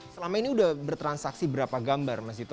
selama ini sudah bertransaksi berapa gambar mas dito